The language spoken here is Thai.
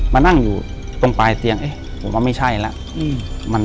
มานั่งอยู่ตรงปลายเตียงเอ๊ะผมว่าไม่ใช่แล้ว